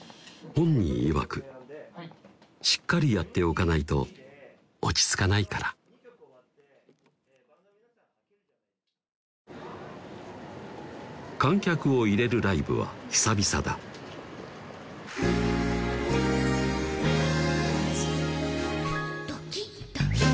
本人いわくしっかりやっておかないと落ち着かないから観客を入れるライブは久々だ「ドキドキドキ」